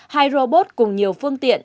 hai robot cùng nhiều phương tiện